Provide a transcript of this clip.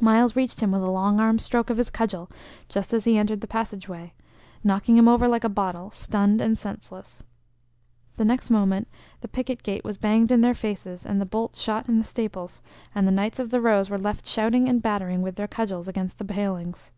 Myles reached him with a long arm stroke of his cudgel just as he entered the passage way, knocking him over like a bottle, stunned and senseless. The next moment the picket gate was banged in their faces and the bolt shot in the staples, and the Knights of the Rose were left shouting and battering with their cudgels against the palings.